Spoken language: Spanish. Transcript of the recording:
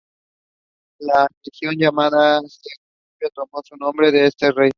La región llamada Cecropia tomó su nombre de este rey.